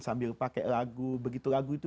sambil pakai lagu begitu lagu itu